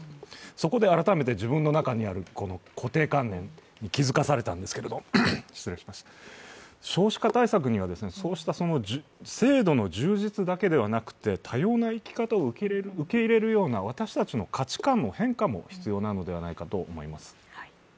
そこで改めて自分の中にある固定観念に気付かされたんですが少子化対策には、そうした制度の充実だけではなくて多様な生き方を受け入れるような私たちの価値観の変化も必要なのではないかと思います。